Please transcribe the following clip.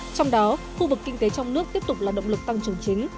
trong đó khu vực kinh tế trong nước tiếp tục là động lực tăng trưởng chính